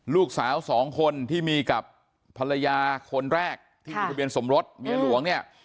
ลูกสาว๒คนที่มีกับภรรยาคนแรกใบนผู้โดยทะเบียนสมรสวิญญาณหลวง